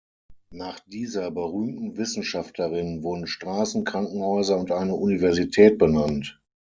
Nach dieser berühmten Wissenschaftlerin wurden Straßen, Krankenhäuser und eine Universität benannt.